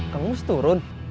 kang mus turun